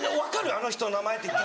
あの人の名前」って。